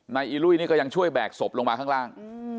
อีลุยนี่ก็ยังช่วยแบกศพลงมาข้างล่าง